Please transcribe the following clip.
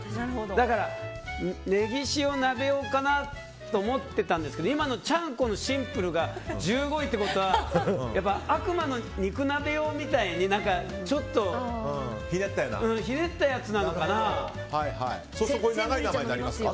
だからねぎ塩鍋用かなと思ってたんですけど今の、ちゃんこのシンプルが１５位ってことは悪魔の肉鍋用みたいに、ちょっと長い名前になりますか？